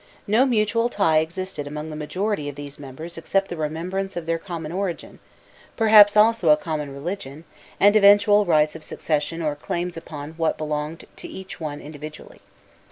No mutual tie existed among the majority of these members except the remembrance of their common origin, perhaps also a common religion, and eventual rights of succession or claims upon what belonged to each one individually.